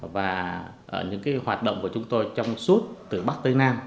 và những hoạt động của chúng tôi trong suốt từ bắc tới nam